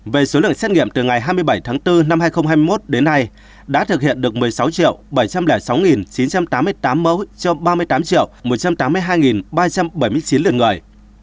về số lượng xét nghiệm từ ngày hai mươi bảy tháng bốn năm hai nghìn hai mươi một đến nay đã thực hiện được một mươi sáu bảy trăm linh sáu chín trăm tám mươi tám mẫu cho ba mươi tám một trăm tám mươi hai ba trăm bảy mươi chín lượt người